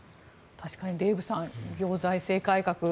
デーブさん、行財政改革